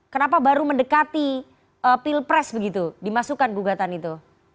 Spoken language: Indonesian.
kenapa baru mendekati pilpres begitu dimasukkan gugatan itu